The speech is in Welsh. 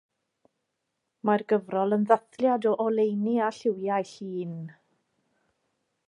Mae'r gyfrol yn ddathliad o oleuni a lliwiau Llŷn.